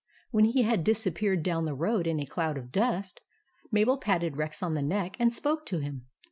When he had disappeared down the road in a cloud of dust, Mabel patted Rex on the neck, and spoke to him.